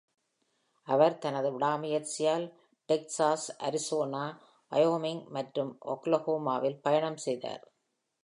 அவர் தனது விடாமுயற்ச்சியால், Texas, Arizona, Wyoming மற்றும் ஓக்லஹோமாவில் பயணம் செய்தார்.